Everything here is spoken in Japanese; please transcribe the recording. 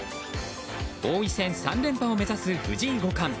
王位戦３連覇を目指す藤井五冠。